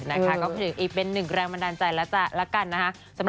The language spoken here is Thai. นะคะก็เป็นอีกเป็นหนึ่งแรงบันดาลใจแล้วกันนะคะ